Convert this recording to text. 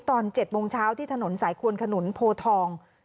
ตอน๗โมงเช้าที่ถนนสายควนขนุนโพทอง